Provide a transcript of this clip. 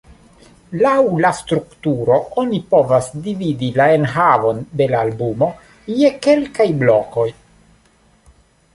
Laŭ la strukturo oni povas dividi la enhavon de la albumo je kelkaj blokoj.